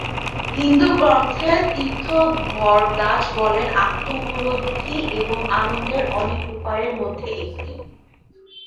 হিন্দু গ্রন্থে তীর্থ, ভরদ্বাজ বলেন, "আত্ম-উপলব্ধি এবং আনন্দের অনেক উপায়ের মধ্যে একটি"।